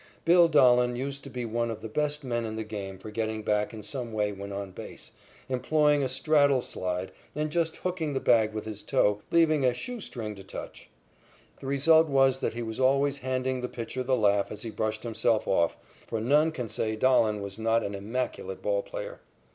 "Bill" Dahlen used to be one of the best men in the game for getting back in some way when on base, employing a straddle slide and just hooking the bag with his toe, leaving "a shoe string to touch." The result was that he was always handing the pitcher the laugh as he brushed himself off, for none can say Dahlen was not an immaculate ball player.